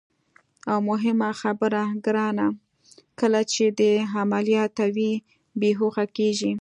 او مهمه خبره ګرانه، کله چې دې عملیاتوي، بېهوښه کېږي.